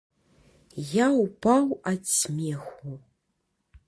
Я ўпаў ад смеху.